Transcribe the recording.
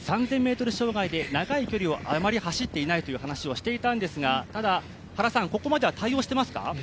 ３０００ｍ障害で長い距離をあまり走っていないという話をしていたんですがただ、ここまでは対応していますか？